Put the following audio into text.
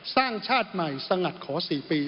สร้างชาติใหม่สงัดขอ๔ปี